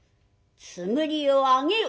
つむりを上げよ。